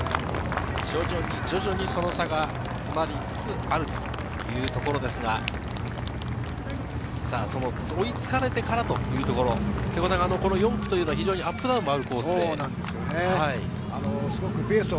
徐々にその差が詰まりつつあるというところですが、追いつかれたからというところ、この４区は非常にアップダウンもあるコースで。